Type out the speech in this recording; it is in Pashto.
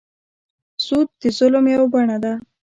سود د ظلم یوه بڼه ده.